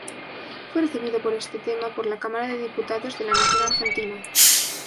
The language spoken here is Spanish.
Fue recibido por este tema por la Cámara de Diputados de la Nación Argentina.